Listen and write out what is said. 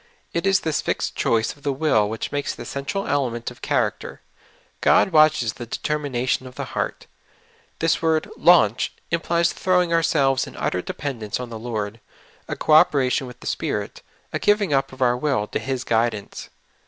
It is this fixed choice of the will w^hicli makes the central element of char acter. God watches the determination of the heart. This w^ord " launch " implies throwing ourselves in ut ter dependence on the Lord — a co operation with the Spirit, a giving up of our will to His guidance.